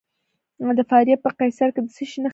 د فاریاب په قیصار کې د څه شي نښې دي؟